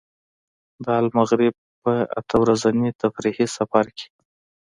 د المغرب په اته ورځني تفریحي سفر کې.